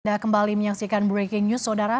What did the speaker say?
anda kembali menyaksikan breaking news saudara